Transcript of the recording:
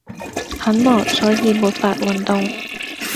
很忙所以沒法運動。